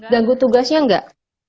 ganggu tugasnya enggak